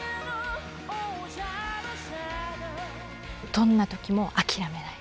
どんな時も諦めない。